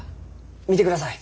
見てください。